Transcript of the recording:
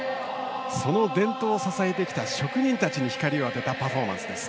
その伝統を支えてきた職人たちに光を当てたパフォーマンスです。